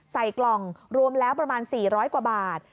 ใส่กล่องรวมแล้วประมาณ๔๐๐กว่าบาท